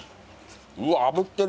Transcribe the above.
うわあぶってる。